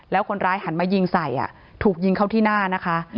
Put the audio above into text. แล้วคนร้ายหันมายิงใส่ถูกยิงเข้าที่หน้านะคะ